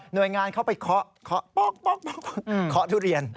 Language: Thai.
หน่วยงานเขาไปเคาะเคาะทุเรียน